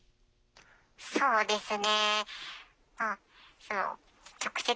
そうですね。